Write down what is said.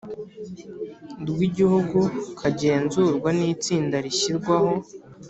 rw Igihugu kagenzurwa n itsinda rishyirwaho